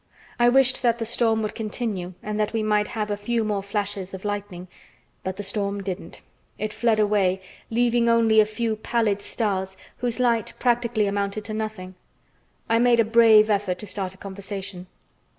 I wished that the storm would continue and that we might have a few more flashes of lightning. But the storm didn't. It fled away, leaving only a few pallid stars, whose light practically amounted to nothing. I made a brave effort to start a conversation.